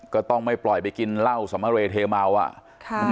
ก็ต้องไม่ปล่อยไปกินเหล้าสมเรเทเมา